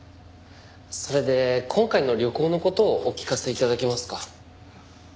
それで今回の旅行の事をお聞かせ頂けますか？